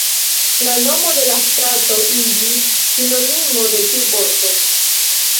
La nomo de la strato iĝis sinonimo de tiu borso.